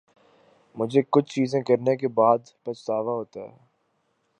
مچھ کچھ چیزیں کرنے کے بعد پچھتاوا ہوتا ہے